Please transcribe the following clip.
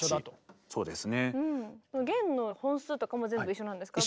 弦の本数とかも全部一緒なんですか？